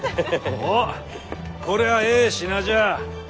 おぉこりゃええ品じゃ。